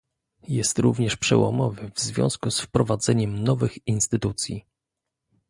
Jest również przełomowy w związku z wprowadzeniem nowych instytucji